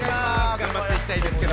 頑張っていきたいです。